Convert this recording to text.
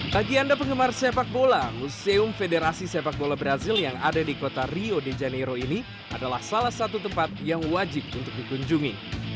bagi anda penggemar sepak bola museum federasi sepak bola brazil yang ada di kota rio de janeiro ini adalah salah satu tempat yang wajib untuk dikunjungi